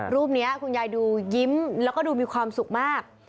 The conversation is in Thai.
รูปนี้คุณยายดูยิ้มแล้วก็ดูมีความสุขมาก